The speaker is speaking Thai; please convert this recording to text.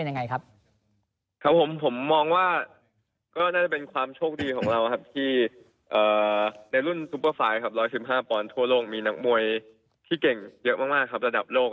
ในรุ่นซูเปอร์ไฟล์สามร้อยสิบห้าปอนด์ทั่วโลกมีนักมวยที่เก่งเยอะมากระดับโลก